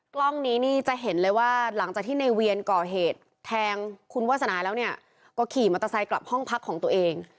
กล้องนี้นี่จะเห็นเลยว่าหลังจากที่ในเวียนก่อเหตุแทงคุณวาสนาแล้วเนี่ยก็ขี่มอเตอร์ไซค์กลับห้องพักของตัวเอง